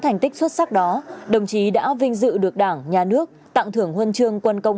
thành tích xuất sắc đó đồng chí đã vinh dự được đảng nhà nước tặng thưởng huân chương quân công